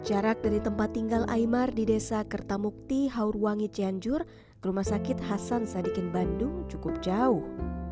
jarak dari tempat tinggal imar di desa kertamukti haurwangi cianjur ke rumah sakit hasan sadikin bandung cukup jauh